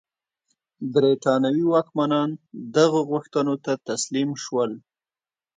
برېټانوي واکمنان دغو غوښتنو ته تسلیم شول.